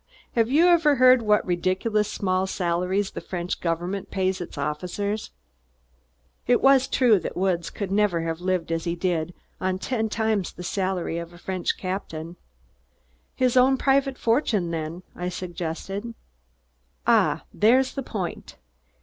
"Have you never heard what ridiculously small salaries the French Government pays its officers?" It was true that Woods could never have lived as he did on ten times the salary of a French captain. "His own private fortune then," I suggested. "Ah! There's the point!